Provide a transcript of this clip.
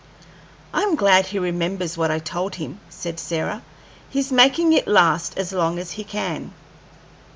"I'm glad he remembers what I told him," said Sarah. "He's making it last as long as he can."